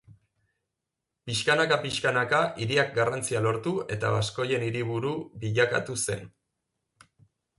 Pixkanaka-pixkanaka hiriak garrantzia lortu eta baskoien hiriburu bilakatu zen.